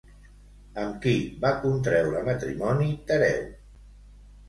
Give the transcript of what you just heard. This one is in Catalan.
Amb qui va contreure matrimoni Tereu?